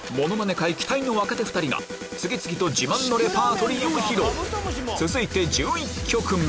界期待の若手２人が次々と自慢のレパートリーを披露続いて１１曲目